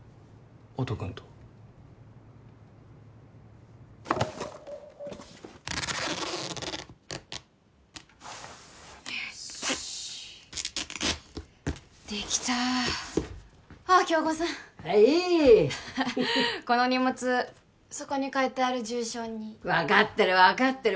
音君とよっしできたあっ響子さんはいいこの荷物そこに書いてある住所に分かってる分かってる